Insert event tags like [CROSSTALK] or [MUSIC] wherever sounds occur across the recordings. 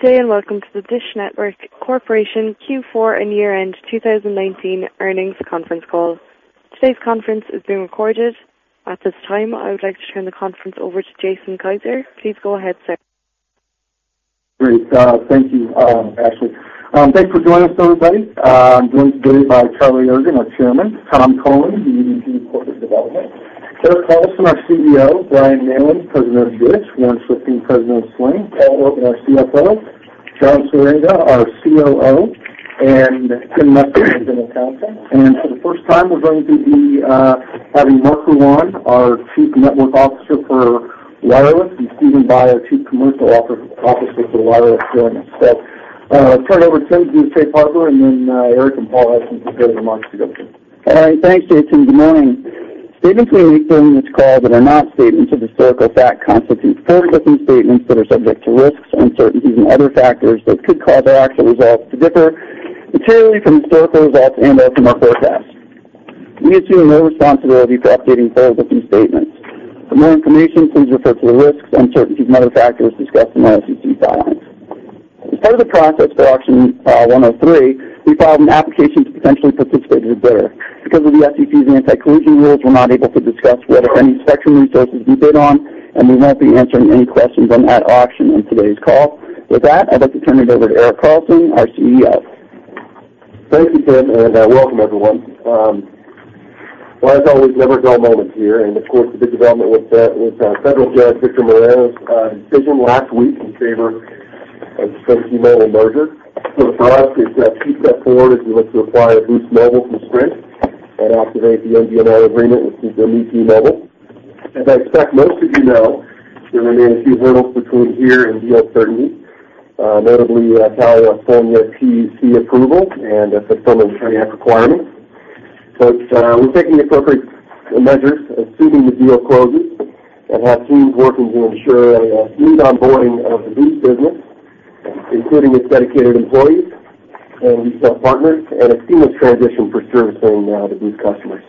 Good day. Welcome to the DISH Network Corporation Q4 and Year End 2019 Earnings Conference Call. Today's conference is being recorded. At this time, I would like to turn the conference over to Jason Kiser. Please go ahead, sir. Great. Thank you, Ashley. Thanks for joining us, everybody. I'm joined today by Charlie Ergen, our Chairman, Tom Cullen, the EVP, Corporate Development, Erik Carlson, our CEO, Brian Neylon, President of DISH, Warren Schlichting, President of Sling, Paul Orban, our CFO, John Swieringa, our COO, and Tim Messner, our General Counsel. For the firstime, we're going to be having Marc Rouanne, our Chief Network Officer for Wireless, and Stephen Bye, our Chief Commercial Officer for Wireless, joining us. Turn it over to Tim to do the safe harbor, and then Erik and Paul have some prepared remarks to go through. All right. Thanks, Jason. Good morning. Statements we make during this call that are not statements of historical fact constitute forward-looking statements that are subject to risks, uncertainties and other factors that could cause the actual results to differ materially from historical results and/or from our forecasts. We assume no responsibility for updating forward-looking statements. For more information, please refer to the risks, uncertainties and other factors discussed in our SEC filings. As part of the process for Auction 103, we filed an application to potentially participate as a bidder. Because of the SEC's anti-collusion rules, we're not able to discuss whether any spectrum resources we bid on, and we won't be answering any questions on that auction on today's call. With that, I'd like to turn it over to Erik Carlson, our CEO. Thank you, Tim, welcome everyone. Well, as always, never a dull moment here, of course, the big development was the Federal Judge Victor Marrero's decision last week in favor of the T-Mobile merger. For us, it's a key step forward as we look to acquire the Boost Mobile from Sprint and activate the MVNO agreement, [AUDIO DISTORTION] T-Mobile. As I expect most of you know, there remain a few hurdles between here and deal certainty, notably, California PUC approval and the fulfillment of certain requirements. We're taking appropriate measures assuming the deal closes and have teams working to ensure a smooth onboarding of the Boost business, including its dedicated employees and retail partners and a seamless transition for servicing the Boost customers.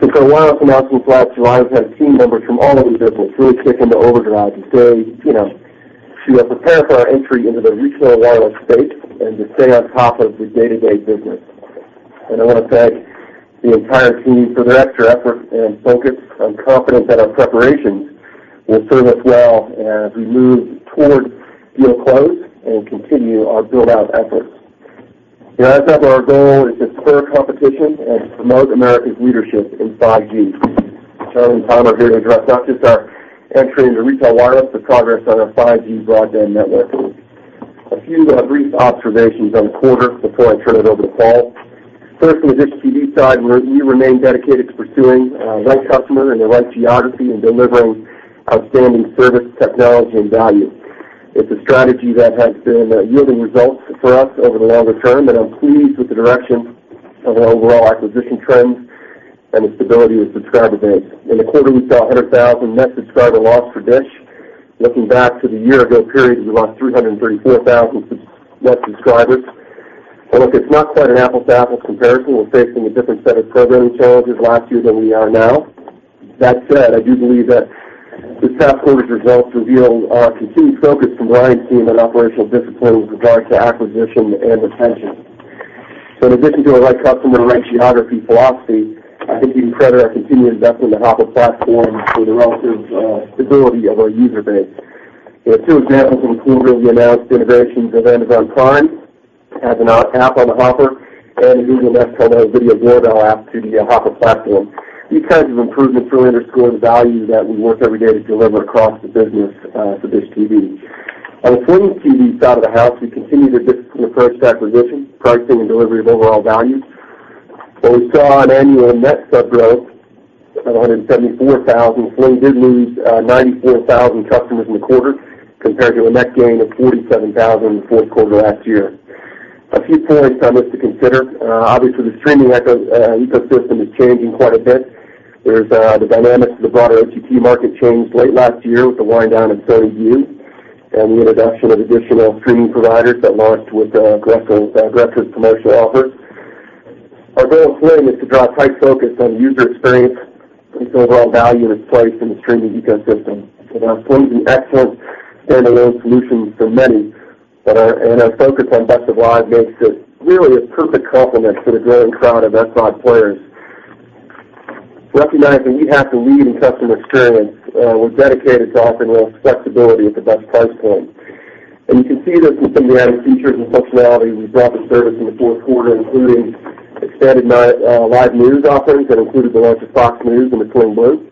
Since our wireless announcement last July, we've had team members from all over the business really kick into overdrive to stay, you know, to prepare for our entry into the regional wireless space and to stay on top of the day-to-day business. I want to thank the entire team for their extra effort and focus. I'm confident that our preparations will serve us well as we move toward deal close and continue our build-out efforts. You know, as ever, our goal is to spur competition and promote America's leadership in 5G. Charlie and Tom are here to address not just our entry into retail wireless, but progress on our 5G broadband network. A few brief observations on the quarter before I turn it over to Paul. First, on the DISH TV side, we remain dedicated to pursuing the right customer and the right geography and delivering outstanding service, technology and value. It's a strategy that has been yielding results for us over the longer term, and I'm pleased with the direction of our overall acquisition trends and the stability of the subscriber base. In the quarter, we saw 100,000 net subscriber loss for DISH. Looking back to the year ago period, we lost 334,000 net subscribers. Look, it's not quite an apples to apples comparison. We're facing a different set of programming challenges last year than we are now. That said, I do believe that this past quarter's results reveal our continued focus from Brian's team on operational discipline with regard to acquisition and retention. In addition to the right customer, right geography philosophy, I think you can credit our continued investment in the Hopper platform for the relative stability of our user base. There are two examples from the quarter. We announced the integration of Amazon Prime as an app on the Hopper and the Google Nest Hub video doorbell app to the Hopper platform. These kinds of improvements really underscore the value that we work every day to deliver across the business for DISH TV. On the Sling TV side of the house, we continue to discipline approach to acquisition, pricing and delivery of overall value. While we saw an annual net sub growth of 174,000, Sling did lose 94,000 customers in the quarter compared to a net gain of 47,000 in the fourth quarter last year. A few points on this to consider. Obviously the streaming ecosystem is changing quite a bit. The dynamics of the broader OTT market changed late last year with the wind down of [AUDIO DISTORTION] and the introduction of additional streaming providers that launched with Direct's commercial offer. Our goal at Sling is to drive tight focus on user experience, its overall value, its place in the streaming ecosystem. Our Sling, the excellent stand-alone solution for many, and our focus on best of live makes it really a perfect complement to the growing crowd of SVOD players. Recognizing we have to lead in customer experience, we're dedicated to offering flexibility at the best price point. You can see this in some of the added features and functionality we brought to service in the fourth quarter, including expanded live news offerings that included the launch of Fox News on the Sling Blue,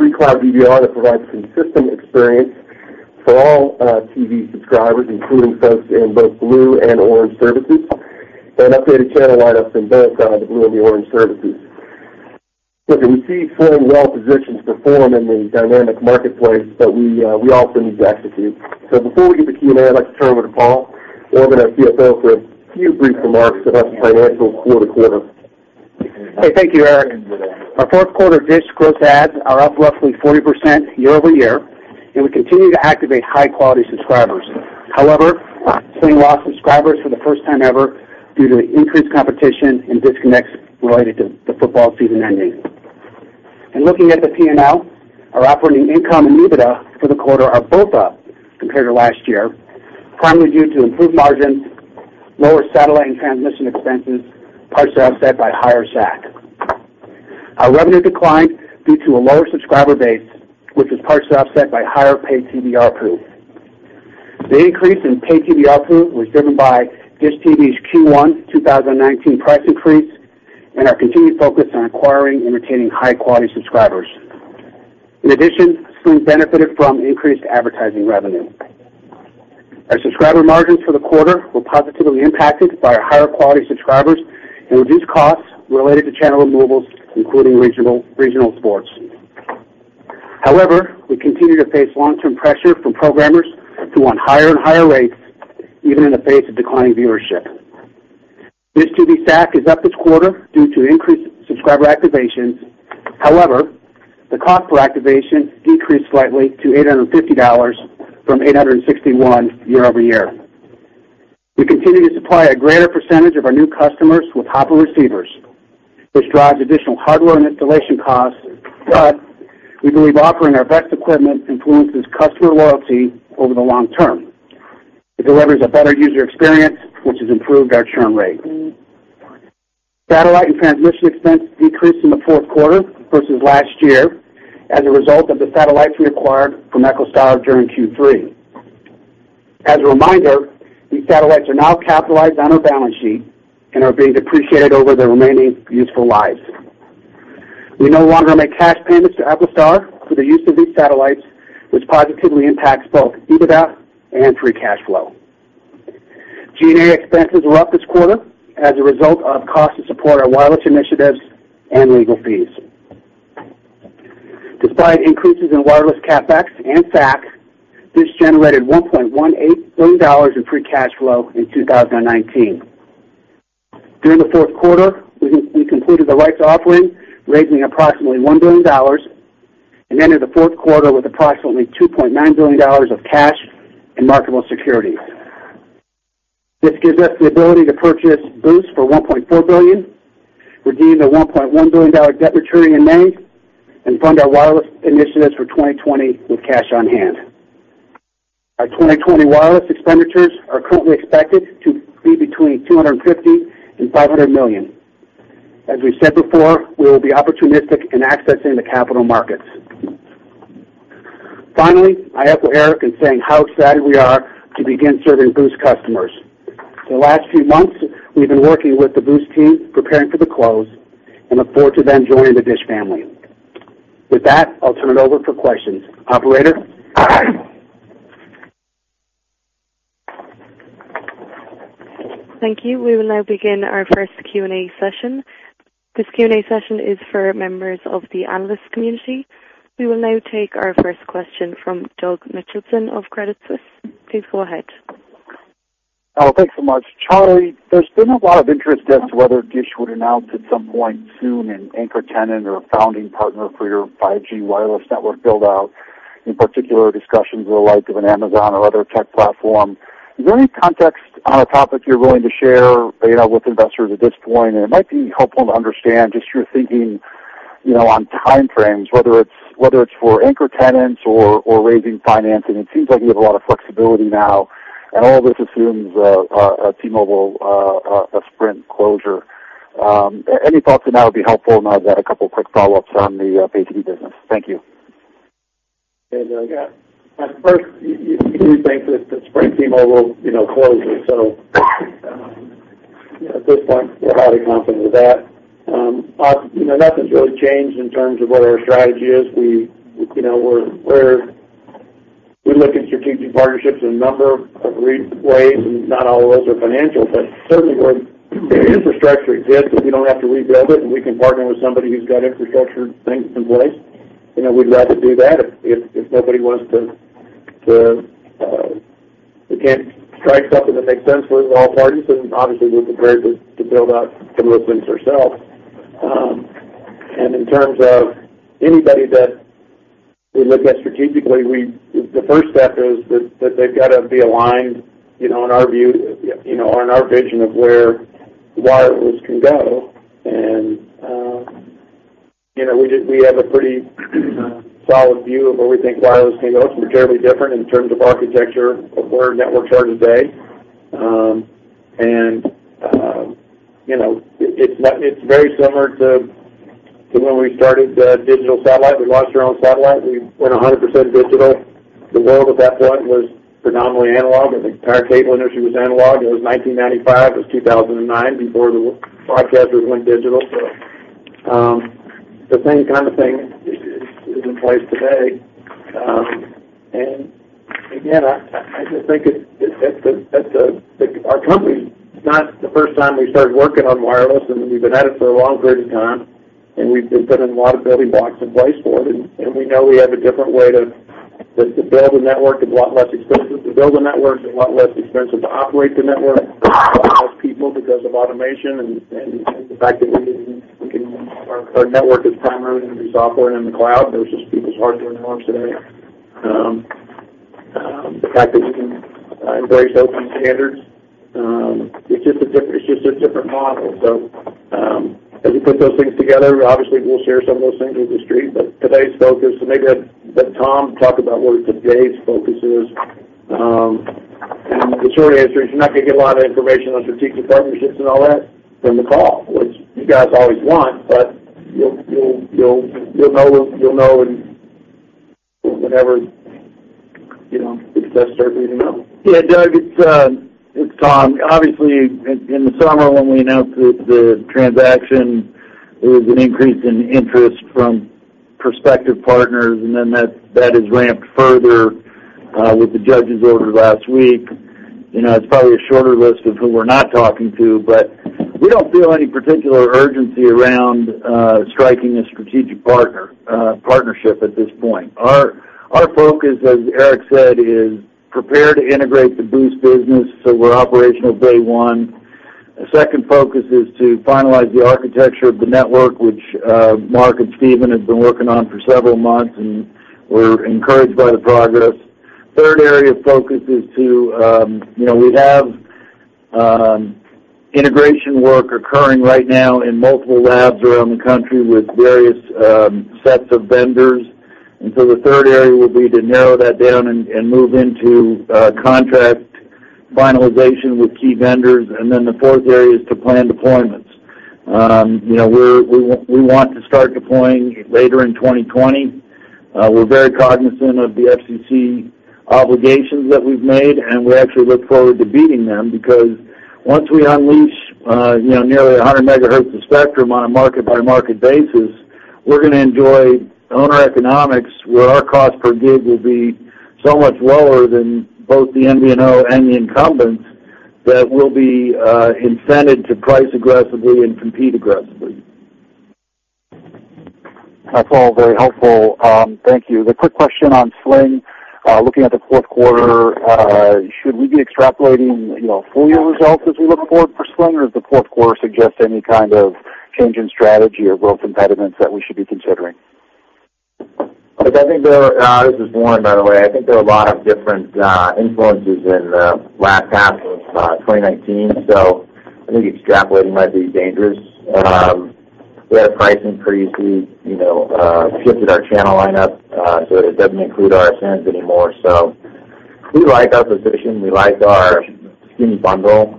free cloud DVR that provides consistent experience for all TV subscribers, including folks in both Blue and Orange services, and updated channel lineups in both the Blue and the Orange services. Look, we see Sling well-positioned to perform in the dynamic marketplace, but we also need to execute. Before we get to Q&A, I'd like to turn it over to Paul Orban, our CFO, for a few brief remarks about the financials quarter to quarter. Hey, thank you, Erik. Our fourth quarter DISH gross adds are up roughly 40% year-over-year. We continue to activate high-quality subscribers. However, Sling lost subscribers for the first time ever due to increased competition and disconnects related to the football season ending. Looking at the P&L, our operating income and EBITDA for the quarter are both up compared to last year, primarily due to improved margins, lower satellite and transmission expenses, partially offset by higher SAC. Our revenue declined due to a lower subscriber base, which is partially offset by higher paid ARPU. The increase in paid ARPU was driven by DISH TV's Q1 2019 price increase and our continued focus on acquiring and retaining high-quality subscribers. In addition, Sling benefited from increased advertising revenue. Our subscriber margins for the quarter were positively impacted by our higher quality subscribers and reduced costs related to channel removals, including regional sports. However, we continue to face long-term pressure from programmers who want higher and higher rates even in the face of declining viewership. DISH TV SAC is up this quarter due to increased subscriber activations. However, the cost per activation decreased slightly to $850 from $861 year-over-year. We continue to supply a greater percentage of our new customers with Hopper receivers, which drives additional hardware and installation costs. We believe offering our best equipment influences customer loyalty over the long term. It delivers a better user experience, which has improved our churn rate. Satellite and transmission expense decreased in the fourth quarter versus last year as a result of the satellites we acquired from EchoStar during Q3. As a reminder, these satellites are now capitalized on our balance sheet and are being depreciated over their remaining useful lives. We no longer make cash payments to EchoStar for the use of these satellites, which positively impacts both EBITDA and free cash flow. G&A expenses were up this quarter as a result of cost to support our wireless initiatives and legal fees. Despite increases in wireless CapEx and SAC, DISH generated $1.18 billion in free cash flow in 2019. During the fourth quarter, we completed the Rights Offering, raising approximately $1 billion and ended the fourth quarter with approximately $2.9 billion of cash and marketable securities. This gives us the ability to purchase Boost for $1.4 billion, redeem the $1.1 billion debt returning in May, and fund our wireless initiatives for 2020 with cash on hand. Our 2020 wireless expenditures are currently expected to be between $250 million-$500 million. As we said before, we will be opportunistic in accessing the capital markets. Finally, I echo Erik in saying how excited we are to begin serving Boost customers. For the last few months, we've been working with the Boost team preparing for the close and look forward to them joining the DISH family. With that, I'll turn it over for questions. Operator? Thank you. We will now begin our first Q&A session. This Q&A session is for members of the analyst community. We will now take our first question from Doug Mitchelson of Credit Suisse. Please go ahead. Oh, thanks so much. Charlie, there's been a lot of interest as to whether DISH would announce at some point soon an anchor tenant or a founding partner for your 5G wireless network build-out. In particular, discussions with the likes of an Amazon or other tech platform. Is there any context on a topic you're willing to share, you know, with investors at this point? It might be helpful to understand just your thinking, you know, on time frames, whether it's for anchor tenants or raising financing. It seems like you have a lot of flexibility now, and all this assumes T-Mobile Sprint closure. Any thoughts on that would be helpful. I've got a couple quick follow-ups on the pay TV business. Thank you. At first, we do think that the Sprint T-Mobile, you know, closes. At this point, we're highly confident with that. You know, nothing's really changed in terms of what our strategy is. You know, we look at strategic partnerships in a number of ways, and not all of those are financial. Certainly where infrastructure exists and we don't have to rebuild it, and we can partner with somebody who's got infrastructure things in place, you know, we'd love to do that. If nobody wants to, we can't strike something that makes sense for all parties, obviously we're prepared to build out some of those things ourselves. In terms of anybody that we look at strategically, the first step is that they've got to be aligned, you know, in our view, you know, on our vision of where wireless can go. You know, we have a pretty solid view of where we think wireless can go. It's materially different in terms of architecture of where networks are today. You know, it's very similar to when we started digital satellite. We launched our own satellite. We went 100% digital. The world at that point was predominantly analog. I think the entire cable industry was analog. It was 1995. It was 2009 before the broadcasters went digital. The same kind of thing is in place today. Again, our company, it's not the first time we started working on wireless, and we've been at it for a long period of time, and we've put in a lot of building blocks in place for it. We know we have a different way to build a network that's a lot less expensive to build a network, a lot less expensive to operate the network, a lot less people because of automation and our network is primarily going to be software and in the cloud versus people's hardware in the homes today. The fact that you can embrace open standards. It's just a different model. As we put those things together, obviously we'll share some of those things with the street. Today's focus, maybe let Tom talk about what today's focus is. The short answer is you're not going to get a lot of information on strategic partnerships and all that from the call, which you guys always want, you'll know whenever, you know, it's necessary for you to know. Yeah, Doug, it's Tom. Obviously, in the summer when we announced the transaction, there was an increase in interest from prospective partners, that has ramped further with the judge's order last week. You know, it's probably a shorter list of who we're not talking to, we don't feel any particular urgency around striking a strategic partner partnership at this point. Our focus, as Eric said, is prepare to integrate the Boost business so we're operational day one. The second focus is to finalize the architecture of the network, which Marc and Stephen have been working on for several months, we're encouraged by the progress. Third area of focus is to, you know, we have integration work occurring right now in multiple labs around the country with various sets of vendors. The third area would be to narrow that down and move into contract finalization with key vendors. The fourth area is to plan deployments. You know, we want to start deploying later in 2020. We're very cognizant of the FCC obligations that we've made, and we actually look forward to beating them because once we unleash, you know, nearly 100 MHz of spectrum on a market-by-market basis, we're going to enjoy owner economics where our cost per gig will be so much lower than both the MVNO and the incumbents that we'll be incented to price aggressively and compete aggressively. That's all very helpful. Thank you. The quick question on Sling. Looking at the fourth quarter, should we be extrapolating, you know, full-year results as we look forward for Sling, or does the fourth quarter suggest any kind of change in strategy or growth impediments that we should be considering? Look, I think there are, this is Warren, by the way. I think there are a lot of different influences in the last half of 2019, so I think extrapolating might be dangerous. We had pricing increases, you know, shifted our channel lineup, so it doesn't include ourRSNs anymore. We like our position. We like our skinny bundle.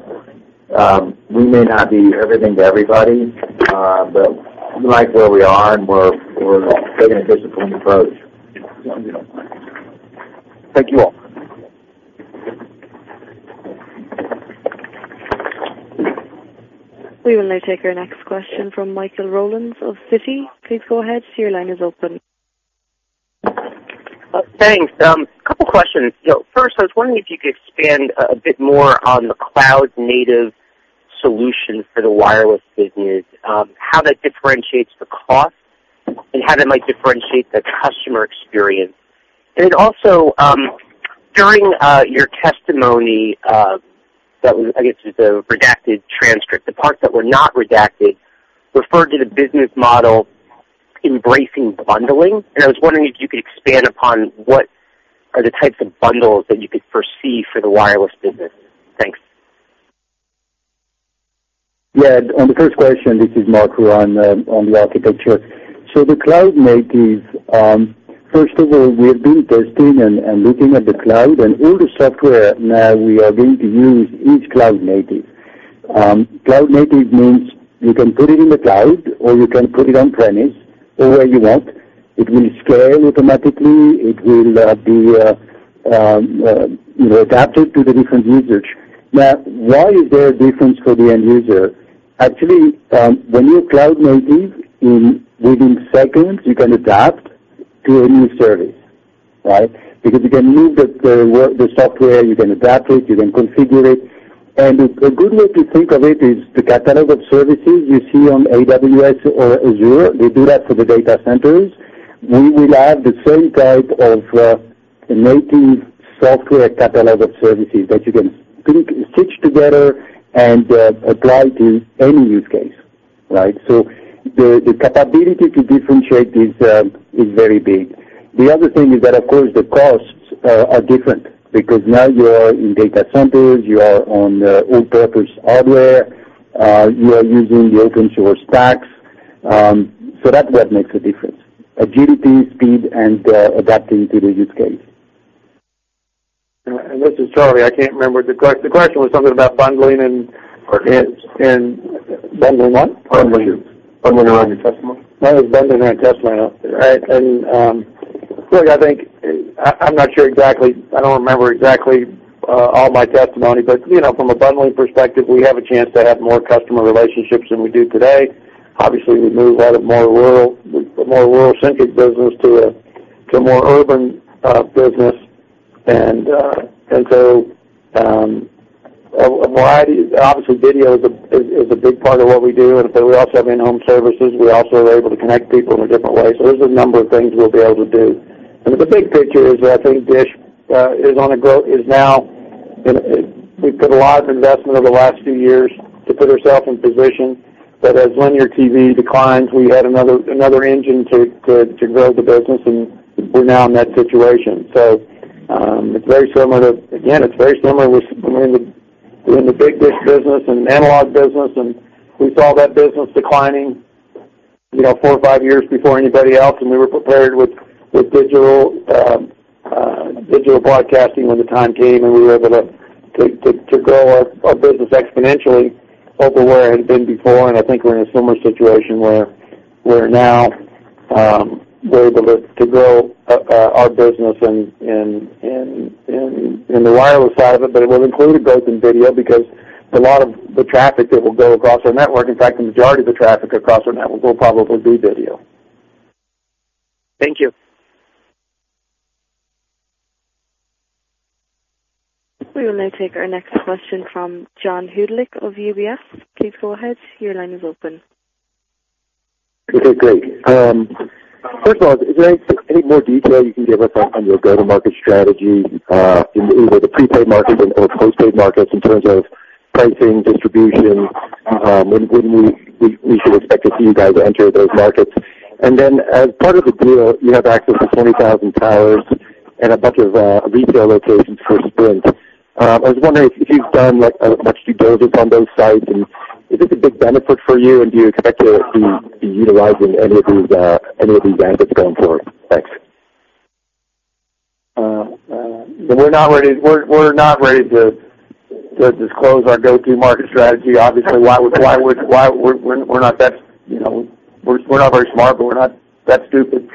We may not be everything to everybody, but we like where we are, and we're taking a disciplined approach. Thank you all. We will now take our next question from Michael Rollins of Citi. Please go ahead. Your line is open. Thanks. Couple questions. First, I was wondering if you could expand a bit more on the cloud-native solution for the wireless business, how that differentiates the cost and how that might differentiate the customer experience. Also, during your testimony, that was, I guess it was a redacted transcript, the parts that were not redacted referred to the business model embracing bundling. I was wondering if you could expand upon what are the types of bundles that you could foresee for the wireless business. Thanks. Yeah. On the first question, this is Marc Rouanne on the architecture. The cloud native, first of all, we have been testing and looking at the cloud and all the software now we are going to use is cloud native. Cloud native means you can put it in the cloud, or you can put it on-premise or where you want. It will scale automatically. It will be, you know, adapted to the different usage. Why is there a difference for the end user? Actually, when you're cloud native within seconds, you can adapt to a new service, right? Because you can move the work, the software, you can adapt it, you can configure it. A good way to think of it is the catalog of services you see on AWS or Azure. They do that for the data centers. We will have the same type of native software catalog of services that you can click, stitch together and apply to any use case, right? The capability to differentiate is very big. The other thing is that of course the costs are different because now you are in data centers, you are on all-purpose hardware, you are using the open source stacks. That's what makes a difference. Agility, speed, and adapting to the use case. This is Charlie. I can't remember the question was something about bundling. Bundling what? Bundling. Bundling around your testimony. No, bundling around testimony. Right. Look, I think, I'm not sure exactly. I don't remember exactly, all my testimony, but you know, from a bundling perspective, we have a chance to have more customer relationships than we do today. Obviously, we move out of more rural, more rural-centric business to a more urban business. A variety, obviously video is a big part of what we do. We also have in-home services. We also are able to connect people in a different way, so there's a number of things we'll be able to do. The big picture is that I think DISH is on now. We put a lot of investment over the last few years to put ourselves in position that as linear TV declines, we had another engine to grow the business, and we're now in that situation. It's very similar with when we were in the big dish business and analog business, and we saw that business declining, you know, four or five years before anybody else, and we were prepared with digital broadcasting when the time came, and we were able to grow our business exponentially over where it had been before. I think we're in a similar situation where we're now, we're able to grow our business in the wireless side of it, but it will include both in video because a lot of the traffic that will go across our network, in fact, the majority of the traffic across our network will probably be video. Thank you. We will now take our next question from John Hodulik of UBS. Please go ahead. Your line is open. Okay, great. First of all, is there any more detail you can give us on your go-to-market strategy in either the prepaid market and or postpaid markets in terms of pricing, distribution, when we should expect to see you guys enter those markets? As part of the deal, you have access to 20,000 towers and a bunch of retail locations for Sprint. I was wondering if you've done, like, much due diligence on those sites, and is it a big benefit for you, and do you expect to be utilizing any of these assets going forward? Thanks. We're not ready to disclose our go-to-market strategy. Obviously, why would, why would, why We're not that, you know, we're not very smart, but we're not that stupid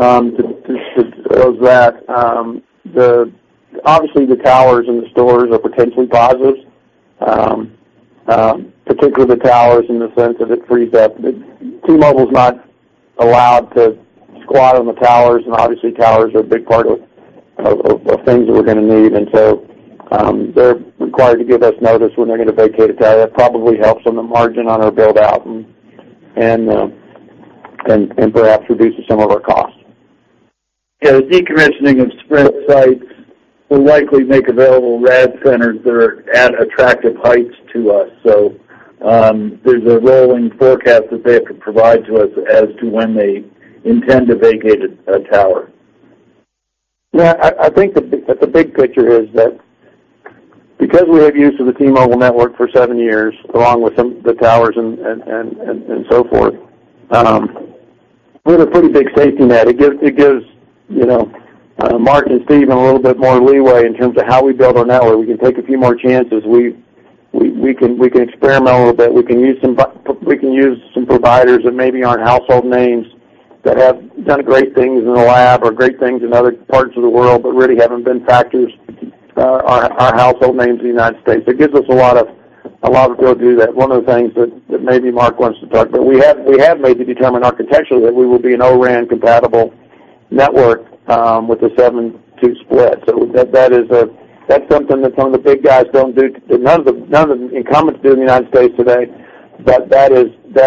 to disclose that. Obviously, the towers and the stores are potentially positive, particularly the towers in the sense that it frees up. T-Mobile's not allowed to squat on the towers, and obviously towers are a big part of things we're going to need. They're required to give us notice when they're going to vacate a tower. That probably helps on the margin on our build-out and perhaps reduces some of our costs. The decommissioning of Sprint sites will likely make available RAD centers that are at attractive heights to us. There's a rolling forecast that they have to provide to us as to when they intend to vacate a tower. I think the big picture is that because we have use of the T-Mobile network for seven years, along with the towers and so forth, we have a pretty big stake in that. It gives, you know, Marc and Stephen a little bit more leeway in terms of how we build our network. We can take a few more chances. We can experiment a little bit. We can use some providers that maybe aren't household names that have done great things in the lab or great things in other parts of the world, but really haven't been factors or household names in the United States. It gives us a lot of go do that. One of the things that maybe Marc wants to talk, we have made the determination architecturally that we will be an O-RAN compatible network with a 7-2 split. That is something that some of the big guys don't do. None of the incumbents do in the U.S. today. That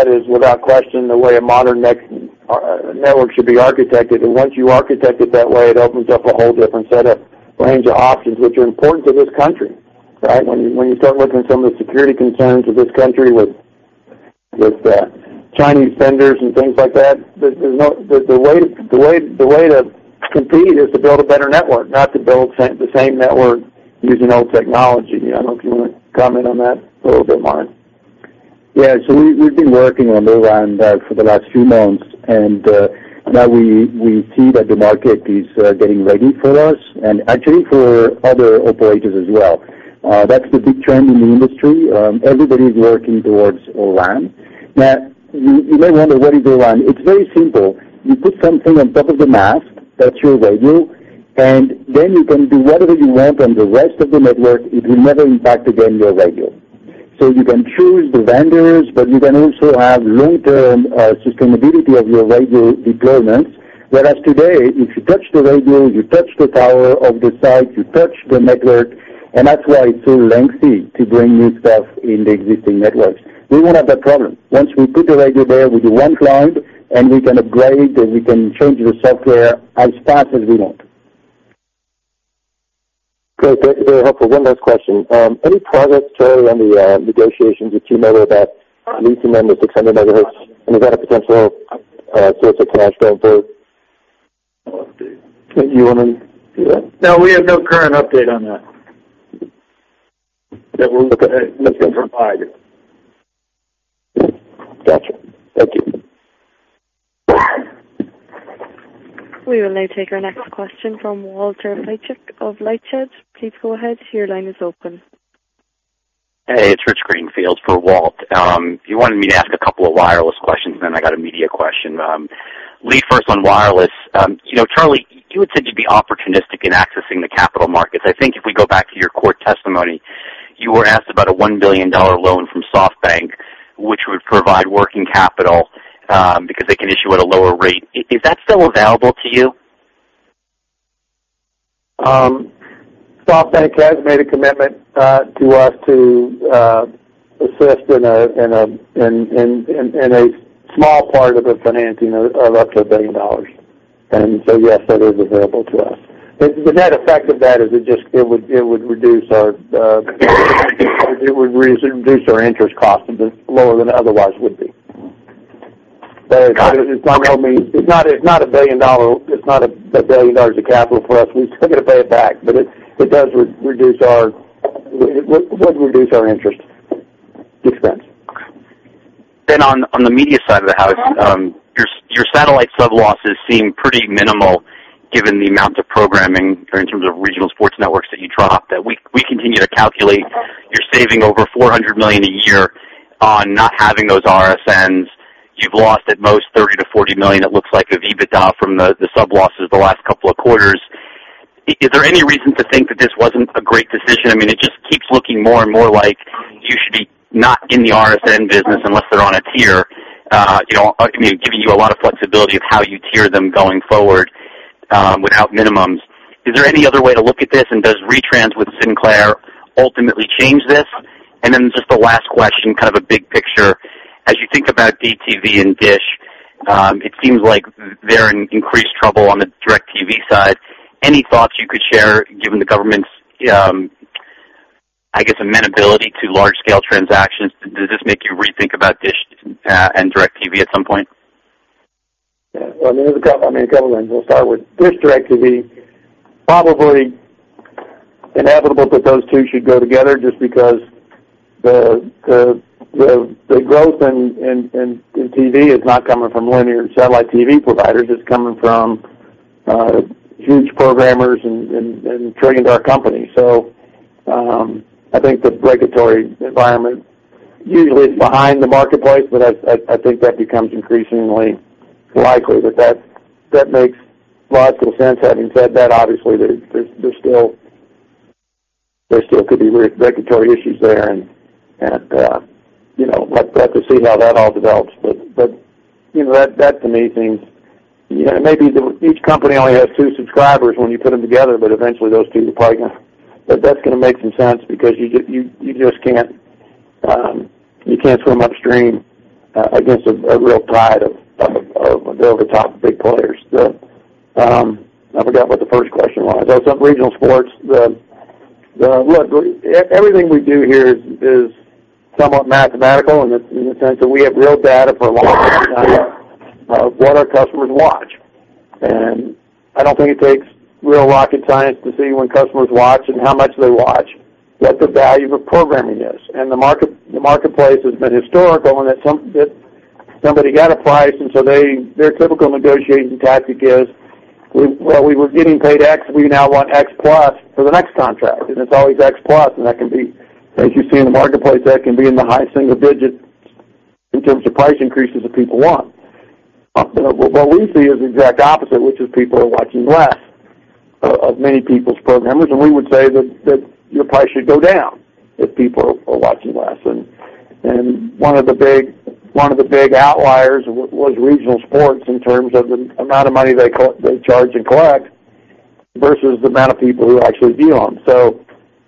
is without question the way a modern network should be architected. Once you architect it that way, it opens up a whole different set of range of options which are important to this country, right? When you start looking at some of the security concerns of this country with Chinese vendors and things like that, the way to compete is to build a better network, not to build the same network using old technology. I don't know if you want to comment on that a little bit, Marc. Yeah. We've been working on O-RAN for the last few months, now we see that the market is getting ready for us and actually for other operators as well. That's the big trend in the industry. Everybody's working towards O-RAN. You may wonder, what is O-RAN? It's very simple. You put something on top of the mast, that's your radio, you can do whatever you want on the rest of the network. It will never impact again your radio. You can choose the vendors, you can also have long-term sustainability of your radio deployments. Whereas today, if you touch the radio, you touch the tower of the site, you touch the network, that's why it's so lengthy to bring new stuff in the existing networks. We won't have that problem. Once we put the radio there, we do one client, and we can upgrade, and we can change the software as fast as we want. Great. Very, very helpful. One last question. Any progress, Charlie, on the negotiations with T-Mobile about leasing them the 600 MHz? Is that a potential source of cash going forward? You want to do that? Okay. No, we have no current update on that. We're looking for [five]. Got you. Thank you. We will now take our next question from Walter Piecyk of LightShed Partners. Please go ahead. Your line is open. Hey, it's Rich Greenfield for Walt. You wanted me to ask a couple of wireless questions, I got a media question. Lee, first on wireless, you know Charlie, you would seem to be opportunistic in accessing the capital markets. I think if we go back to your court testimony, you were asked about a $1 billion loan from SoftBank, which would provide working capital, because they can issue at a lower rate. Is that still available to you? SoftBank has made a commitment to us to assist in a small part of a financing of up to $1 billion. Yes, that is available to us. The net effect of that is it would reduce our interest cost lower than it otherwise would be. It's not, I mean, it's not $1 billion, it's not $1 billion of capital for us. We still got to pay it back. It would reduce our interest expense. On the media side of the house, your satellite sub losses seem pretty minimal given the amount of programming or in terms of regional sports networks that you dropped. We continue to calculate you're saving over $400 million a year on not having those RSNs. You've lost at most $30 million-$40 million, it looks like of EBITDA from the sub losses the last couple of quarters. Is there any reason to think that this wasn't a great decision? I mean, it just keeps looking more and more like you should be not in the RSN business unless they're on a tier, you know, I mean, giving you a lot of flexibility of how you tier them going forward, without minimums. Is there any other way to look at this? Does retrans with Sinclair ultimately change this? Just the last question, kind of a big picture. As you think about DirecTV and DISH, it seems like they're in increased trouble on the DirecTV side. Any thoughts you could share given the government's, I guess, amenability to large scale transactions? Does this make you rethink about DISH and DirecTV at some point? Yeah. Well, I mean, there's a couple, I mean, a couple of angles. We'll start with DISH, DirecTV. Probably inevitable that those two should go together just because the growth in TV is not coming from linear satellite TV providers. It's coming from huge programmers and trillion-dollar companies. I think the regulatory environment usually is behind the marketplace, but I think that becomes increasingly likely that makes logical sense. Having said that, obviously, there's still could be re-regulatory issues there and, you know, we'll have to see how that all develops. You know, that to me seems, you know, maybe each company only has two subscribers when you put them together, but eventually those two will partner. That's going to make some sense because you just can't, you can't swim upstream against a real tide of OTT big players. I forgot what the first question was. Oh, some RSN. The look, everything we do here is somewhat mathematical in the sense that we have real data for a long time of what our customers watch. I don't think it takes real rocket science to see when customers watch and how much they watch, what the value of a programming is. The marketplace has been historical, that somebody got a price, so their typical negotiating tactic is, "We were getting paid X, we now want X plus for the next contract." It's always X plus, that can be, as you see in the marketplace, that can be in the high single digits in terms of price increases that people want. What we see is the exact opposite, which is people are watching less of many people's programmers. We would say that your price should go down if people are watching less. One of the big outliers was regional sports in terms of the amount of money they charge and collect versus the amount of people who actually view them.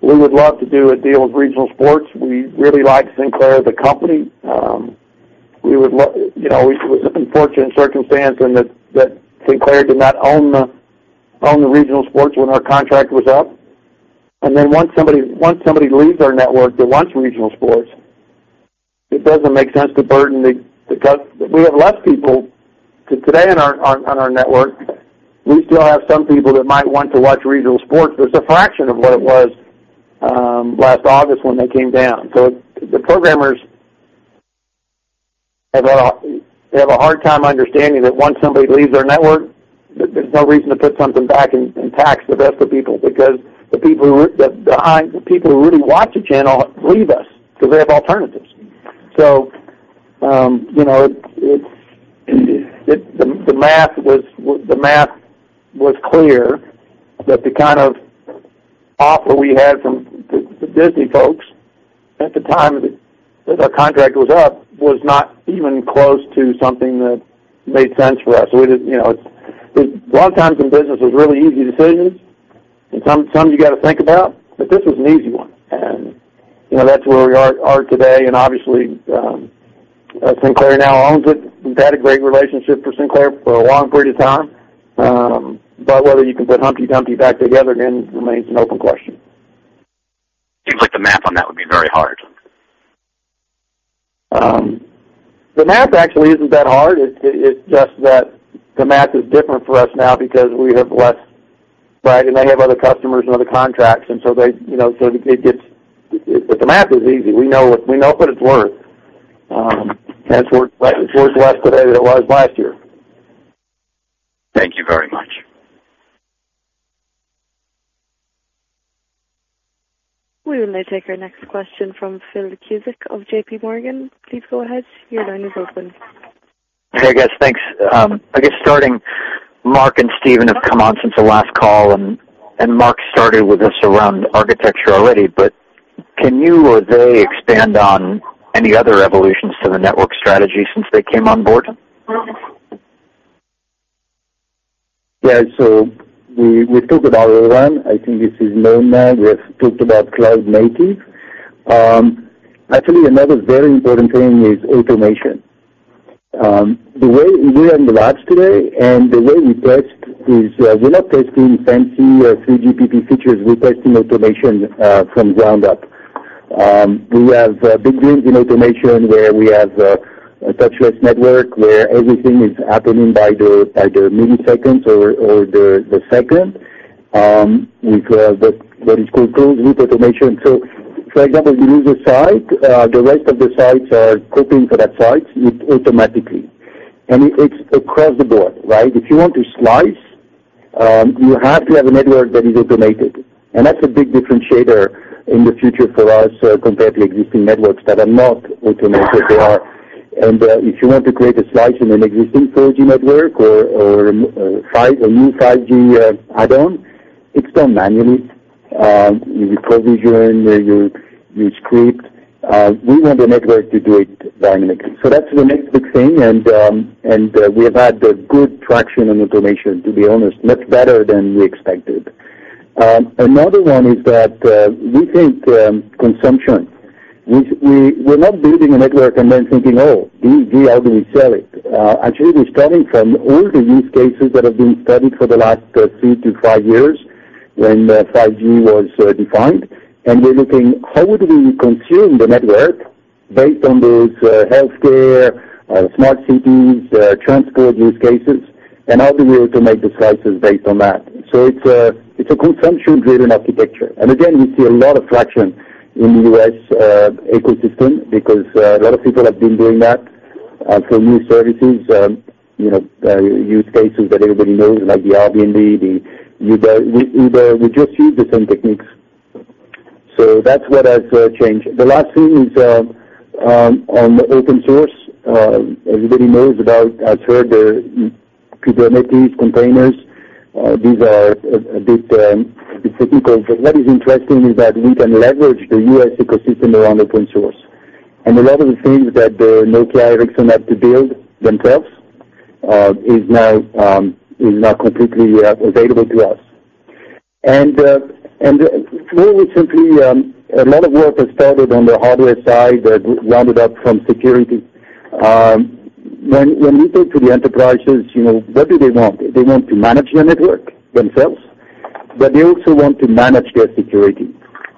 We would love to do a deal with regional sports. We really like Sinclair as a company. You know, it was an unfortunate circumstance in that, Sinclair did not own the regional sports when our contract was up. Once somebody leaves our network that wants regional sports, it doesn't make sense to burden, we have less people. Today on our network, we still have some people that might want to watch regional sports, but it's a fraction of what it was last August when they came down. The programmers have a hard time understanding that once somebody leaves our network, there's no reason to put something back and tax the rest of people because the people who really watch a channel leave us because they have alternatives. You know, the math was clear that the kind of offer we had from the Disney folks at the time that our contract was up was not even close to something that made sense for us. We didn't, you know, a lot of times in business, it was really easy decisions, and some you got to think about, but this was an easy one. You know, that's where we are today. Obviously, Sinclair now owns it. We've had a great relationship for Sinclair for a long period of time. Whether you can put Humpty Dumpty back together again remains an open question. Seems like the math on that would be very hard. The math actually isn't that hard. It's just that the math is different for us now because we have less, right? They have other customers and other contracts. The math is easy. We know what it's worth. It's worth less today than it was last year. Thank you very much. We will now take our next question from Phil Cusick of JPMorgan. Please go ahead, your line is open. Hey, guys. Thanks. I guess starting, Marc and Stephen have come on since the last call, and Marc started with us around architecture already. Can you or they expand on any other evolutions to the network strategy since they came on board? Yeah. We've talked about O-RAN. I think this is known now. We have talked about cloud native. Actually, another very important thing is automation. The way we run the labs today and the way we test is, we're not testing fancy or 3GPP features, we're testing automation from ground up. We have big gains in automation where we have a touchless network where everything is happening by the milliseconds or the second with what is called closed loop automation. For example, you lose a site, the rest of the sites are coping for that site automatically. It's across the board, right? If you want to slice, you have to have a network that is automated, and that's a big differentiator in the future for us, compared to existing networks that are not automated. If you want to create a slice in an existing 4G network or a new 5G add-on, it's done manually. You do provision, you script. We want the network to do it dynamically. That's the next big thing. We have had good traction on automation, to be honest, much better than we expected. Another one is that we think consumption. We're not building a network and then thinking, "Oh, here is 5G, how do we sell it?" Actually, we're starting from all the use cases that have been studied for the last third to five years when 5G was defined. We're looking how do we consume the network based on those healthcare, smart cities, transport use cases, and how do we automate the slices based on that. It's a consumption-driven architecture. Again, we see a lot of traction in the U.S. ecosystem because a lot of people have been doing that for new services, you know, use cases that everybody knows, like the Airbnb, the Uber. Uber, we just use the same techniques. That's what has changed. The last thing is on open source, everybody knows about Azure, Kubernetes, containers. These are a bit technical. What is interesting is that we can leverage the U.S. ecosystem around open source. A lot of the things that Nokia, Ericsson have to build themselves is now completely available to us. To put it simply, a lot of work has started on the hardware side that rounded up from security. When you talk to the enterprises, you know, what do they want? They want to manage their network themselves, but they also want to manage their security.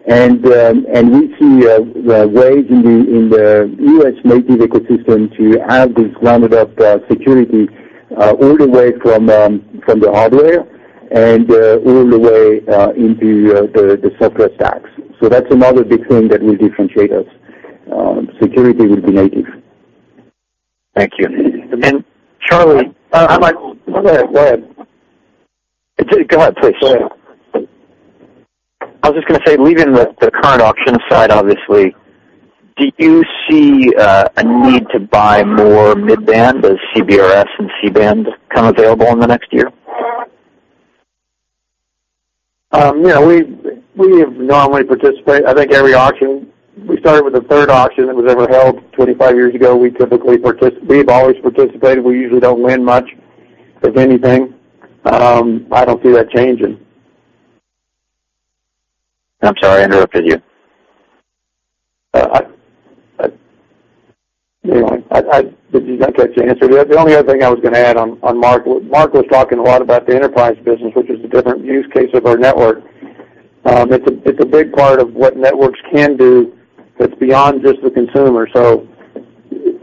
We see ways in the U.S. native ecosystem to have this rounded up security all the way from the hardware, and all the way into the software stacks. That's another big thing that will differentiate us. Security will be native. Thank you. Charlie. Go ahead, please. Go ahead. I was just going to say, leaving the current auction side, obviously, do you see a need to buy more mid-band as CBRS and C-band come available in the next year? Yeah, we have normally participate, I think every auction. We started with the third auction that was ever held 25 years ago. We have always participated. We usually don't win much, if anything. I don't see that changing. I'm sorry, I interrupted you. You know, did you not get your answer? The only other thing I was going to add on Marc, Marc was talking a lot about the enterprise business, which is a different use case of our network. It's a big part of what networks can do that's beyond just the consumer.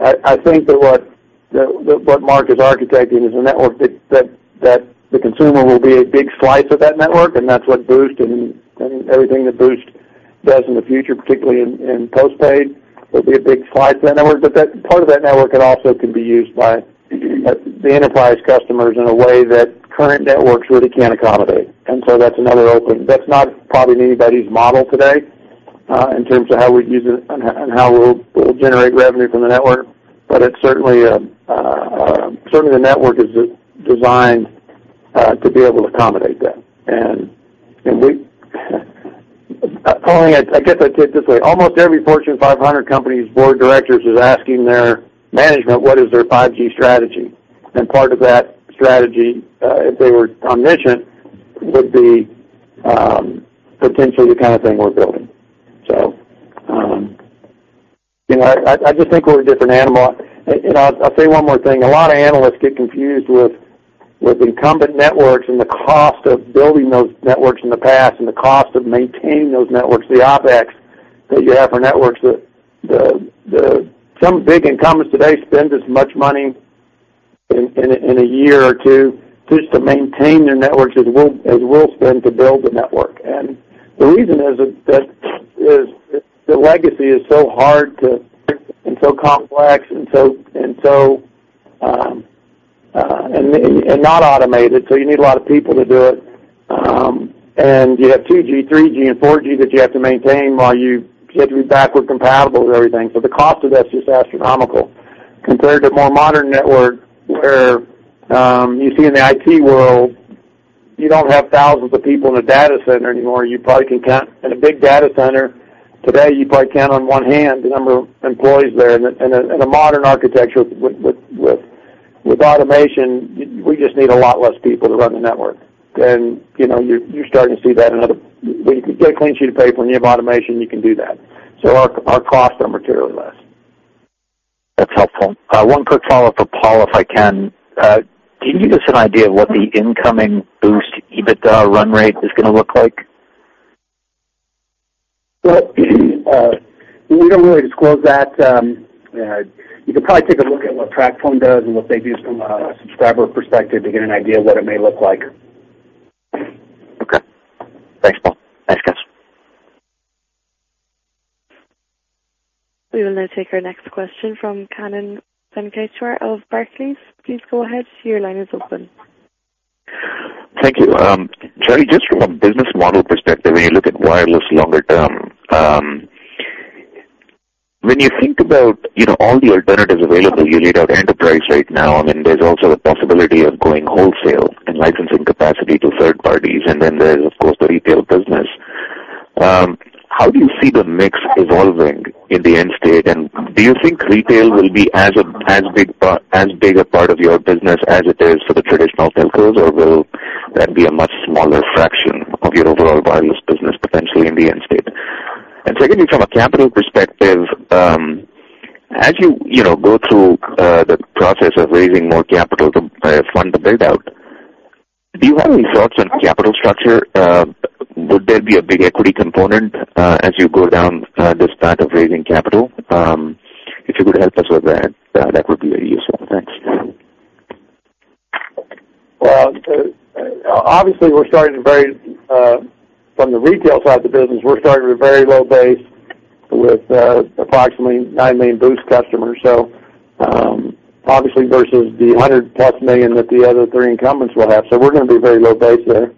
I think that what Marc is architecting is a network that the consumer will be a big slice of that network, and that's what Boost and everything that Boost does in the future, particularly in postpaid, will be a big slice of that network. That part of that network, it also can be used by the enterprise customers in a way that current networks really can't accommodate. That's another open. That's not probably in anybody's model today, in terms of how we use it, and how we'll generate revenue from the network. It's certainly the network is designed to be able to accommodate that. I guess I'd say it this way. Almost every Fortune 500 company's board of directors is asking their management what is their 5G strategy. Part of that strategy, if they were omniscient, would be potentially the kind of thing we're building. You know, I just think we're a different animal. I'll say one more thing. A lot of analysts get confused with incumbent networks and the cost of building those networks in the past and the cost of maintaining those networks, the OpEx that you have for networks that some big incumbents today spend as much money in a year or two just to maintain their networks as we'll spend to build the network. The reason is that the legacy is so hard to, and so complex and so not automated, so you need a lot of people to do it. You have 2G, 3G, and 4G that you have to maintain while you have to be backward compatible with everything. The cost of that is just astronomical compared to a more modern network where you see in the IT world, you don't have thousands of people in a data center anymore. You probably count on one hand the number of employees there. A modern architecture with automation, we just need a lot less people to run the network. You know, you're starting to see that. When you get a clean sheet of paper and you have automation, you can do that. Our costs are materially less. That's helpful. One quick follow-up for Paul, if I can. Can you give us an idea of what the incoming Boost EBITDA run rate is going to look like? We don't really disclose that. You can probably take a look at what TracFone does, and what they do from a subscriber perspective to get an idea of what it may look like. Okay. Thanks, Paul. Thanks, guys. We will now take our next question from Kannan Venkateshwar of Barclays. Please go ahead. Your line is open. Thank you. Charlie, just from a business model perspective, when you look at wireless longer term, when you think about, you know, all the alternatives available, you laid out enterprise right now, there's also the possibility of going wholesale and licensing capacity to third parties, there's, of course, the retail business. How do you see the mix evolving in the end state? Do you think retail will be as big a part of your business as it is for the traditional telcos? Will that be a much smaller fraction of your overall wireless business potentially in the end state? Secondly, from a capital perspective, as you know, go through the process of raising more capital to fund the build-out, do you have any thoughts on capital structure? Would there be a big equity component as you go down this path of raising capital? If you could help us with that would be very useful. Thanks. Well, obviously, we're starting at a very low base with approximately 9 million Boost customers. Obviously, versus the 100+ million that the other three incumbents will have. We're going to be very low base there.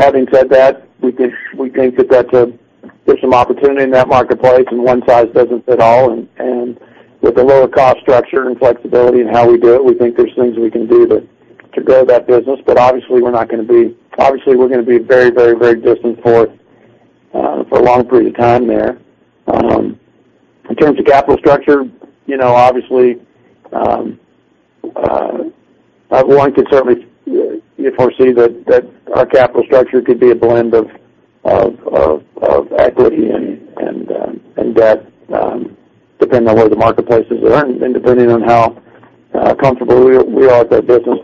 Having said that, we think that there's some opportunity in that marketplace, and one size doesn't fit all. With a lower cost structure and flexibility in how we do it, we think there's things we can do to grow that business. Obviously, we're going to be very disciplined for a long period of time there. In terms of capital structure, you know, obviously one could certainly foresee that our capital structure could be a blend of equity and debt, depending on where the marketplace is at and depending on how comfortable we are with that business.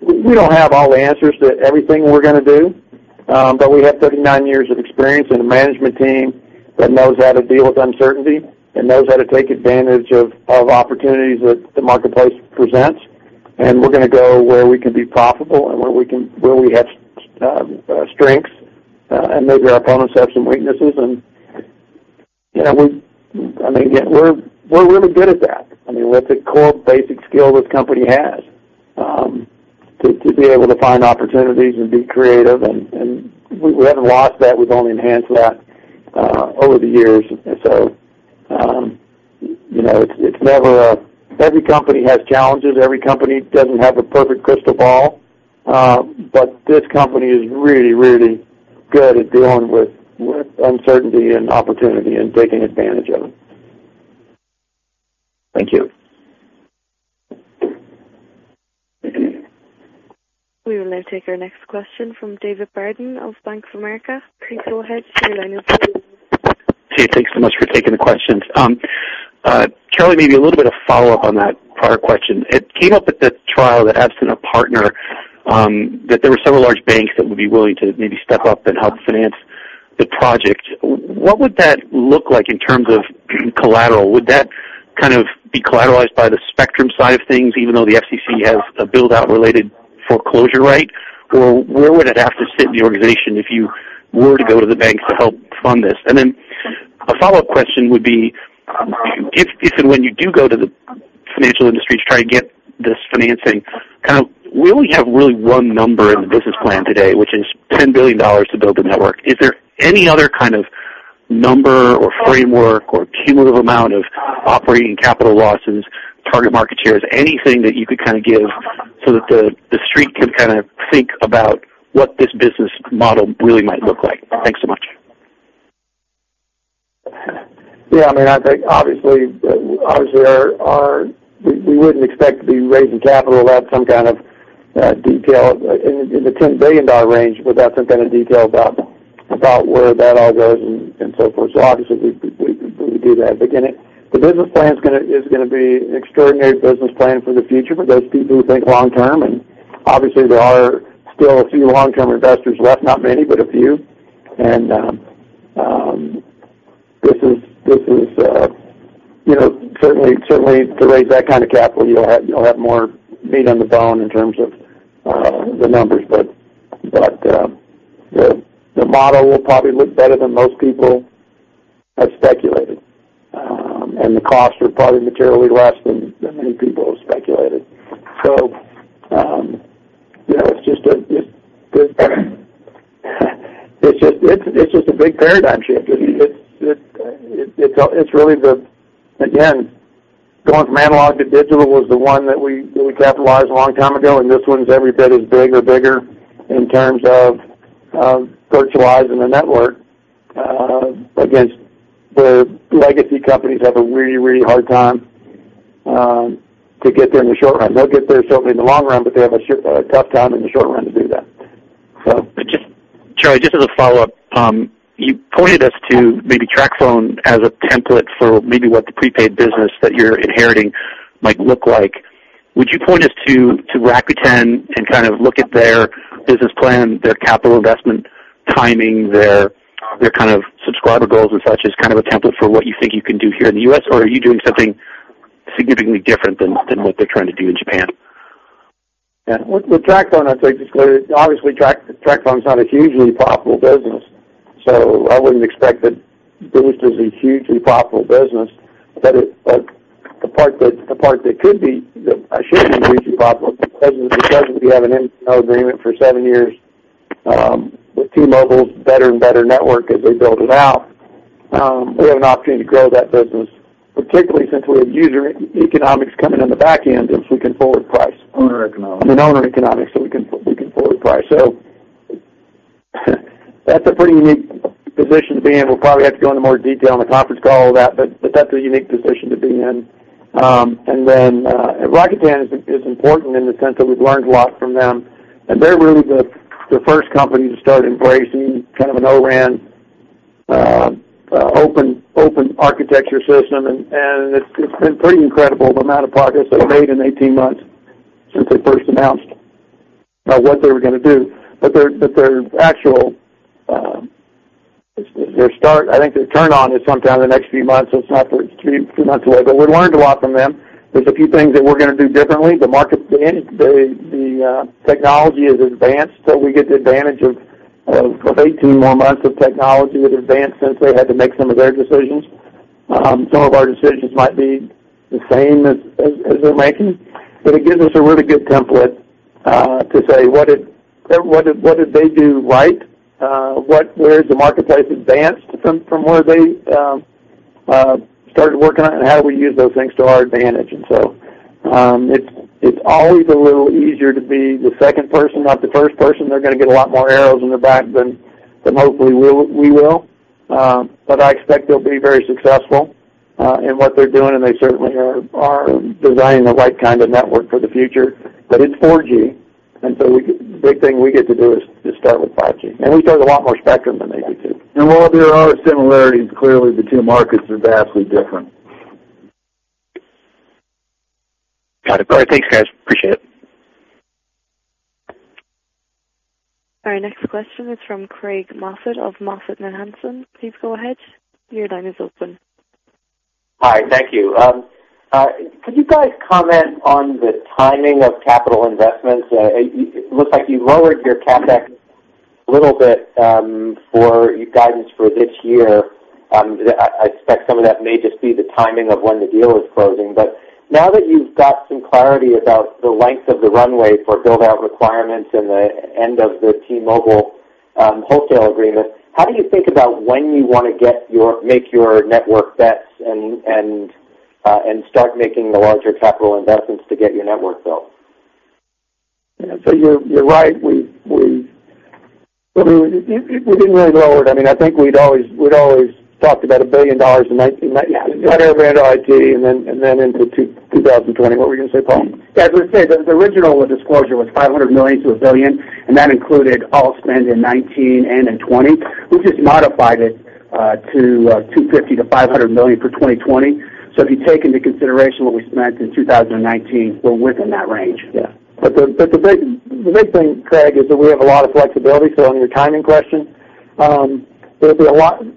We don't have all the answers to everything we're going to do, but we have 39 years of experience and a management team that knows how to deal with uncertainty and knows how to take advantage of opportunities that the marketplace presents. We're going to go where we can be profitable and where we have strengths and maybe our opponents have some weaknesses. You know, I mean, we're really good at that. I mean, that's a core basic skill this company has, to be able to find opportunities and be creative, and we haven't lost that. We've only enhanced that over the years. You know, every company has challenges. Every company doesn't have a perfect crystal ball, this company is really, really good at dealing with uncertainty and opportunity and taking advantage of it. Thank you. We will now take our next question from David Barden of Bank of America. Please go ahead. Hey, thanks so much for taking the questions. Charlie, maybe a little bit of follow-up on that prior question. It came up at the trial that absent a partner, that there were several large banks that would be willing to maybe step up and help finance the project. What would that look like in terms of collateral? Would that kind of be collateralized by the spectrum side of things, even though the FCC has a build-out related foreclosure right? Where would it have to sit in the organization if you were to go to the banks to help fund this? A follow-up question would be, if and when you do go to the financial industry to try to get this financing, kind of, we only have really one number in the business plan today, which is $10 billion to build the network. Is there any other kind of number or framework or cumulative amount of operating capital losses, target market shares, anything that you could kind of give so that The Street can kind of think about what this business model really might look like? Thanks so much. I mean, I think obviously we wouldn't expect to be raising capital without some kind of detail in the $10 billion range without some kind of detail about where that all goes and so forth. Obviously we would do that. Again, the business plan is going to be an extraordinary business plan for the future for those people who think long term. Obviously there are still a few long-term investors left, not many, but a few. This is, you know, certainly to raise that kind of capital, you'll have more meat on the bone in terms of the numbers. The model will probably look better than most people have speculated, and the costs are probably materially less than many people have speculated. You know, it's just a big paradigm shift. It's really the again, going from analog to digital was the one that we capitalized a long time ago, and this one's every bit as big or bigger in terms of virtualizing the network. Against the legacy companies have a really hard time to get there in the short run. They'll get there certainly in the long run, but they have a tough time in the short run to do that. Charlie, just as a follow-up, you pointed us to maybe TracFone as a template for maybe what the prepaid business that you're inheriting might look like. Would you point us to Rakuten and kind of look at their business plan, their capital investment timing, their kind of subscriber goals and such as kind of a template for what you think you can do here in the U.S., or are you doing something significantly different than what they're trying to do in Japan? Yeah. With Tracfone, I think, obviously, Tracfone is not a hugely profitable business, so I wouldn't expect that Boost is a hugely profitable business. The part that could be, that should be hugely profitable, because we have an M&O agreement for seven years with T-Mobile's better and better network as they build it out, we have an opportunity to grow that business, particularly since we have user economics coming in the back end, we can forward price. Owner economics. I mean, owner economics, we can forward price. That's a pretty unique position to be in. We'll probably have to go into more detail on the conference call, all that, but that's a unique position to be in. Rakuten is important in the sense that we've learned a lot from them. They're really the first company to start embracing kind of an O-RAN open architecture system. It's been pretty incredible the amount of progress they've made in 18 months since they first announced what they were going to do. Their actual, their start, I think their turn-on is sometime in the next few months. It's not for three months away, but we learned a lot from them. There's a few things that we're going to do differently. The technology is advanced, so we get the advantage of 18 more months of technology that advanced since they had to make some of their decisions. Some of our decisions might be the same as they're making, but it gives us a really good template to say, what did they do right? Where has the marketplace advanced from where they started working on it, and how do we use those things to our advantage? It's always a little easier to be the second person, not the first person. They're going to get a lot more arrows in the back than hopefully we will. I expect they'll be very successful in what they're doing, and they certainly are designing the right kind of network for the future. It's 4G, and so the big thing we get to do is to start with 5G. We started a lot more spectrum than they do too. While there are similarities, clearly the two markets are vastly different. Got it. All right. Thanks, guys. Appreciate it. Our next question is from Craig Moffett of MoffettNathanson. Please go ahead. Your line is open. Hi. Thank you. Could you guys comment on the timing of capital investments? It looks like you lowered your CapEx a little bit for your guidance for this year. I expect some of that may just be the timing of when the deal is closing. Now that you've got some clarity about the length of the runway for build-out requirements and the end of the T-Mobile wholesale agreement, how do you think about when you want to make your network bets and start making the larger capital investments to get your network built? Yeah, you're right. Well, we didn't really lower it. I mean, I think we'd always talked about $1 billion. [AUDIO DISTORTION] and then into 2020. What were you going to say, Paul? Yeah, I was going to say, the original disclosure was $500 million-$1 billion, and that included all spend in 2019 and in 2020. We just modified it to $250 million-$500 million for 2020. If you take into consideration what we spent in 2019, we're within that range. The big thing, Craig, is that we have a lot of flexibility. On your timing question, the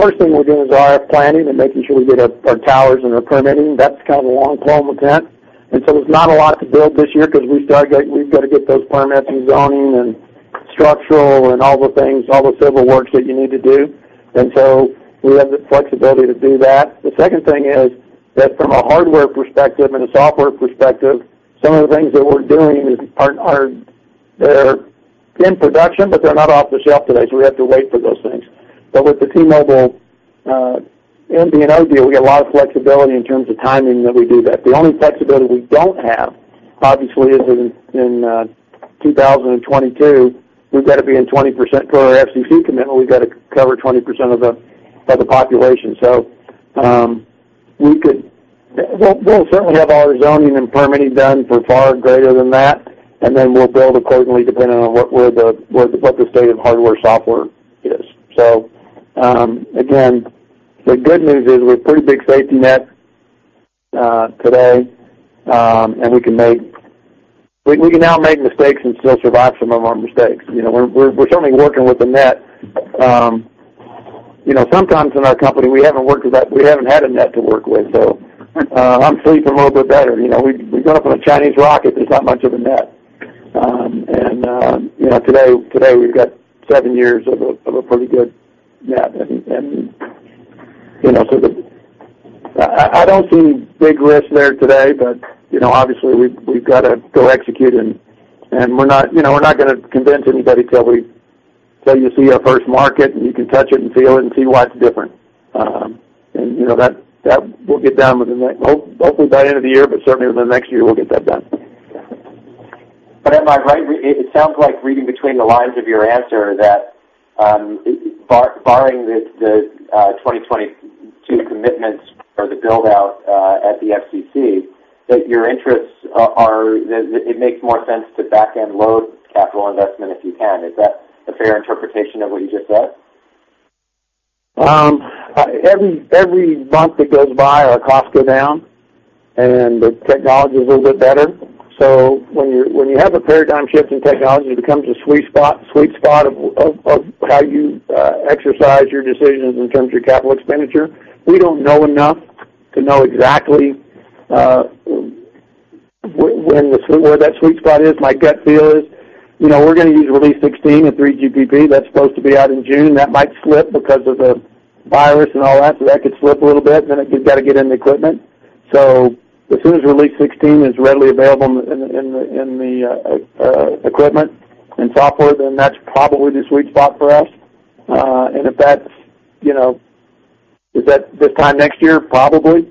first thing we're doing is RF planning and making sure we get our towers and our permitting. That's kind of a long pole event. There's not a lot to build this year because we've got to get those permits and zoning and structural and all the civil works that you need to do. We have the flexibility to do that. The second thing is that from a hardware perspective and a software perspective, some of the things that we're doing are, they're in production, but they're not off the shelf today, so we have to wait for those things. With the T-Mobile MVNO deal, we get a lot of flexibility in terms of timing that we do that. The only flexibility we don't have, obviously, is in 2022. We've got to be in 20% per our FCC commitment. We've got to cover 20% of the population. We'll certainly have all our zoning and permitting done for far greater than that, and then we'll build accordingly depending on what the state of hardware, software is. Again, the good news is we're pretty big safety net today, and we can now make mistakes and still survive some of our mistakes. You know, we're certainly working with the net. You know, sometimes in our company, we haven't worked with that. We haven't had a net to work with, so I'm sleeping a little bit better. You know, we got up on a Chinese rocket. There's not much of a net. You know, today we've got seven years of a pretty good net. You know, so I don't see big risks there today, but, you know, obviously, we've got to go execute and we're not, you know, we're not going to convince anybody till you see our first market, and you can touch it and feel it and see why it's different. You know, that will get done within well, hopefully by end of the year, but certainly within the next year, we'll get that done. Am I right? It sounds like reading between the lines of your answer that, barring the 2022 commitments for the build-out at the FCC, your interests are that it makes more sense to back-end load capital investment if you can. Is that a fair interpretation of what you just said? Every month that goes by, our costs go down and the technology is a little bit better. When you have a paradigm shift in technology, it becomes a sweet spot of how you exercise your decisions in terms of your capital expenditure. We don't know enough to know exactly where that sweet spot is. My gut feel is, you know, we're going to use Release 16 of 3GPP. That's supposed to be out in June. That might slip because of the virus and all that, so that could slip a little bit, then you've got to get in the equipment. As soon as Release 16 is readily available in the equipment and software, then that's probably the sweet spot for us. If that's, you know, is that this time next year? Probably.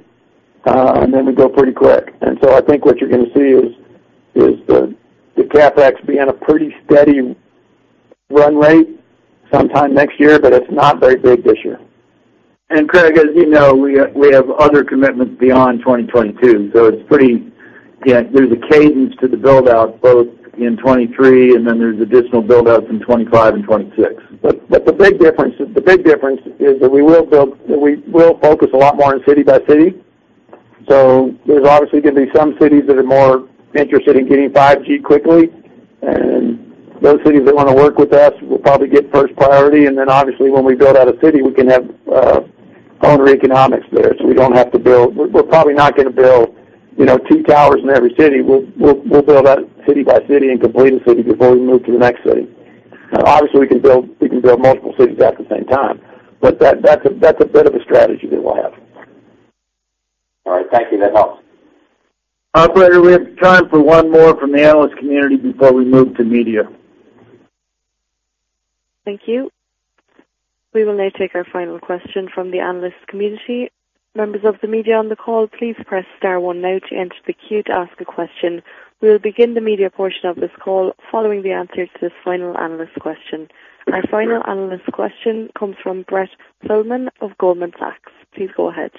Then we go pretty quick. I think what you're going to see is the CapEx be on a pretty steady run rate sometime next year, but it's not very big this year. [Craig], as you know, we have other commitments beyond 2022, so again, there's a cadence to the build-out, both in 2023, and then there's additional build-outs in 2025 and 2026. The big difference is that we will focus a lot more on city by city. There's obviously going to be some cities that are more interested in getting 5G quickly, and those cities that want to work with us will probably get first priority. Obviously, when we build out a city, we can have owner economics there, so we don't have to build. We're probably not going to build, you know, two towers in every city. We'll build out city by city and complete a city before we move to the next city. Obviously, we can build multiple cities at the same time, but that's a bit of a strategy that we'll have. All right. Thank you. That helps. Operator, we have time for one more from the analyst community before we move to media. Thank you. We will now take our final question from the analyst community. Members of the media on the call, please press star one now to enter the queue to ask a question. We will begin the media portion of this call following the answer to this final analyst question. Our final analyst question comes from Brett Feldman of Goldman Sachs. Please go ahead.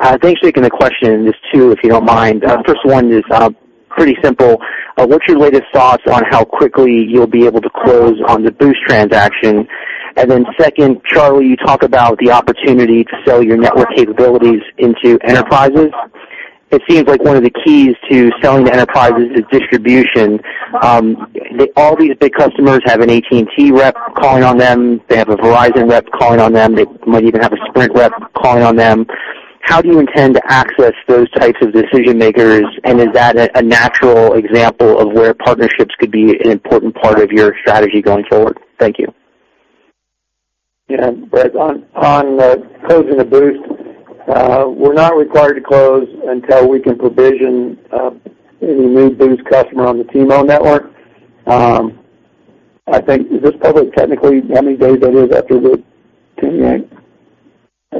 Thanks for taking the question, there's two, if you don't mind. First one is pretty simple. What's your latest thoughts on how quickly you'll be able to close on the Boost transaction? Second, Charlie, you talk about the opportunity to sell your network capabilities into enterprises. It seems like 1 of the keys to selling to enterprises is distribution. All these big customers have an AT&T rep calling on them. They have a Verizon rep calling on them. They might even have a Sprint rep calling on them. How do you intend to access those types of decision-makers? Is that a natural example of where partnerships could be an important part of your strategy going forward? Thank you. Brett, on closing the Boost, we're not required to close until we can provision any new Boost customer on the T-Mobile network. I think is this public technically how many days that is after the 10, right? [AUDIO DISTORTION] I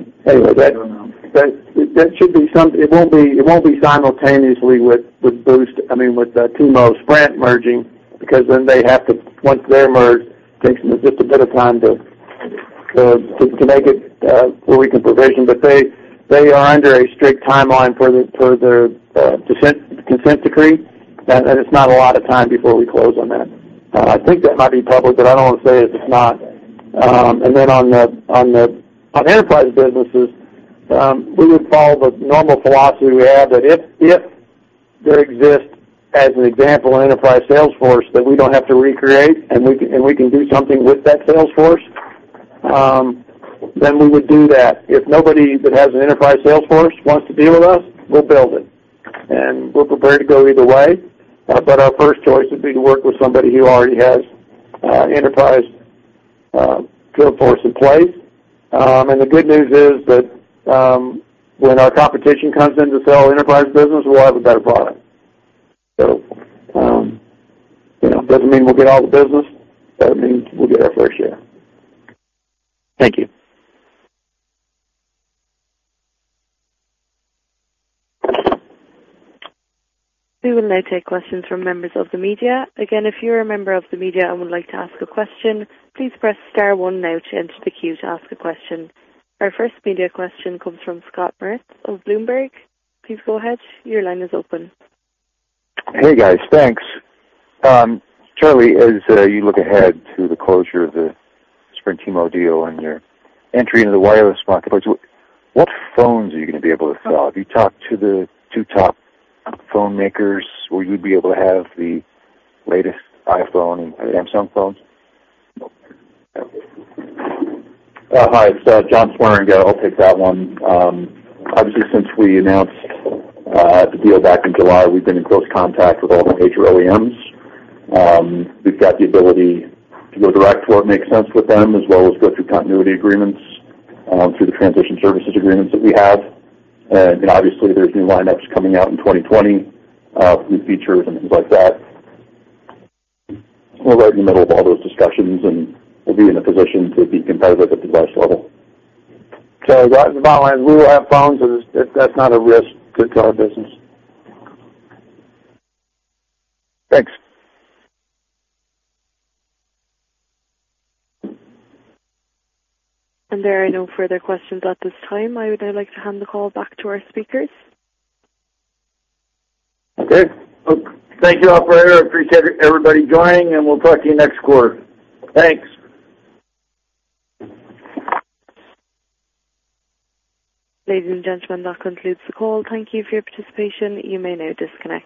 don't know. It won't be simultaneously with Boost, I mean, with T-Mobile, Sprint merging, because once they're merged, it takes just a bit of time to make it where we can provision. They are under a strict timeline for their consent decree, and it's not a lot of time before we close on that. I think that might be public, but I don't want to say it if it's not. On enterprise businesses, we would follow the normal philosophy we have that if there exists, as an example, an enterprise sales force that we don't have to recreate and we can do something with that sales force, then we would do that. If nobody that has an enterprise sales force wants to deal with us, we'll build it. We're prepared to go either way, but our first choice would be to work with somebody who already has enterprise sales force in place. The good news is that when our competition comes in to sell enterprise business, we'll have a better product. You know, it doesn't mean we'll get all the business. That means we'll get our fair share. Thank you. We will now take questions from members of the media. Again, if you're a member of the media and would like to ask a question, please press star one now to enter the queue to ask a question. Our first media question comes from Scott Moritz of Bloomberg. Please go ahead. Your line is open. Hey, guys. Thanks. Charlie, as you look ahead to the closure of the Sprint T-Mobile deal and your entry into the wireless marketplace, what phones are you going to be able to sell? Have you talked to the two top phone makers? Will you be able to have the latest iPhone and Samsung phones? Okay, yeah. Hi. It's John Swieringa. I'll take that one. Obviously, since we announced the deal back in July, we've been in close contact with all the major OEMs. We've got the ability to go direct where it makes sense with them, as well as go through continuity agreements, through the transition services agreements that we have. Obviously, there's new lineups coming out in 2020, new features and things like that. We're right in the middle of all those discussions, and we'll be in a position to be competitive at the device level. The bottom line is we will have phones. That's not a risk to our business. Thanks. There are no further questions at this time. I would now like to hand the call back to our speakers. Okay. Thank you, operator. Appreciate everybody joining. We'll talk to you next quarter. Thanks. Ladies and gentlemen, that concludes the call. Thank you for your participation. You may now disconnect.